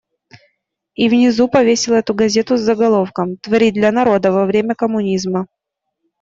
И внизу повесил эту газету с заголовком: «Творить для народа, во имя коммунизма».